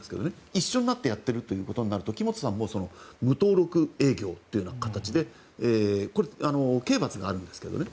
一緒になってやっているということになると木本さんも無登録営業という形でこれ、刑罰があるんですけどね。